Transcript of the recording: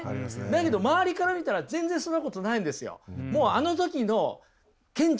だけど周りから見たら全然そんなことないんですよ！